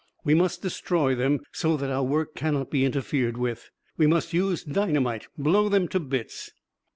We must destroy them, so that our work cannot be interfered with. We must use dynamite, blow them to bits.